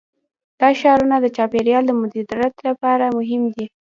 دا ښارونه د چاپیریال د مدیریت لپاره مهم دي.